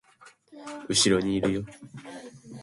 後ろにいるよ